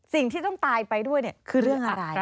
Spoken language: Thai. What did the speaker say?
สิ่งที่ต้องตายไปด้วยคือเรื่องอะไร